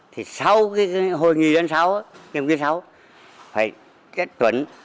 thì sau cái hội nghị đơn sáu đồng chí sáu phải chất vấn